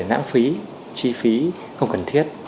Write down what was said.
nãng phí chi phí không cần thiết